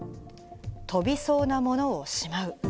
飛びそうなものをしまう。